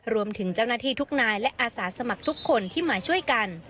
รวมถึงเจ้าหน้าที่ทุกนายและอาสาสมัครทุกคนที่มาช่วยกัน